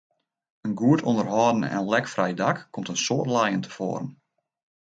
In goed ûnderholden en lekfrij dak komt in soad lijen tefoaren.